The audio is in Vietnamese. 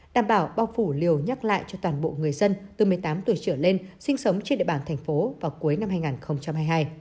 đảm bảo bao phủ liều nhắc lại cho toàn bộ người dân từ một mươi tám tuổi trở lên sinh sống trên địa bàn thành phố vào cuối năm hai nghìn hai mươi hai